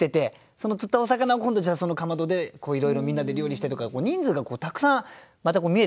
その釣ったお魚を今度じゃあその竈でいろいろみんなで料理してとか人数がたくさんまた見えてきますよね。